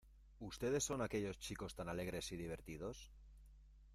¿Ustedes son aquellos chicos tan alegres y divertidos?